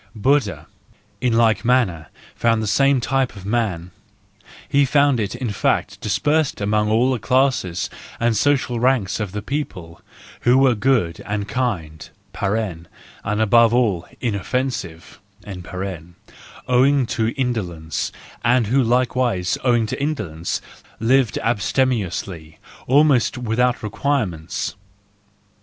Buddha, in like manner, found the same type of man,—he found it in fact dispersed among all the classes and social ranks of a people who were good and kind (and above all inoffensive), owing to indolence, and who likewise owing to indolence, lived abstemiously, almost without requirements.